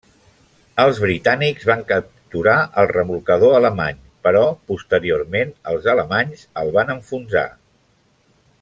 Els britànics van capturar el remolcador alemany, però posteriorment els alemanys el van enfonsar.